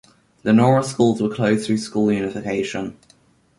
Lenora schools were closed through school unification.